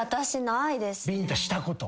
ビンタしたこと。